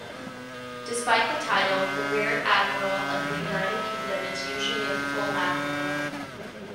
Despite the title, the Rear-Admiral of the United Kingdom is usually a full admiral.